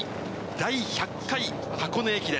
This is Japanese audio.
第１００回箱根駅伝。